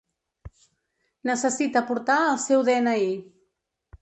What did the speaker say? Necessita portar el seu de-ena-i.